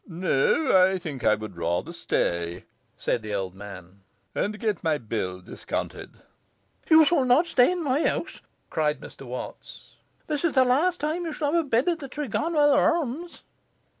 'No, I think I would rather stay,' said the old man, 'and get my bill discounted.' 'You shall not stay in my house,' cried Mr Watts. 'This is the last time you shall have a bed at the "Tregonwell Arms".